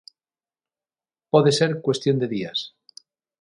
Pode ser cuestión de días.